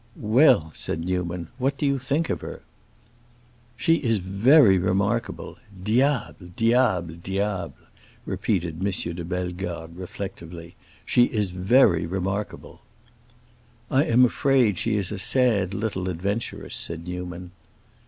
"Well," said Newman, "what do you think of her?" "She is very remarkable. Diable, diable, diable!" repeated M. de Bellegarde, reflectively; "she is very remarkable." "I am afraid she is a sad little adventuress," said Newman.